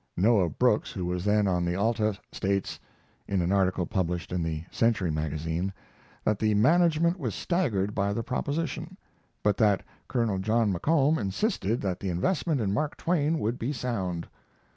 Noah Brooks, who was then on the Alta, states [In an article published in the Century Magazine.] that the management was staggered by the proposition, but that Col. John McComb insisted that the investment in Mark Twain would be sound.